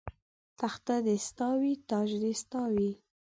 تخت دې ستا وي تاج دې ستا وي